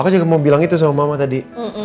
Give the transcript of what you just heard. aku juga mau bilang itu sama mama tadi